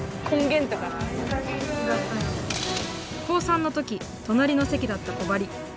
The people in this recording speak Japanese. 高３の時隣の席だったこばり。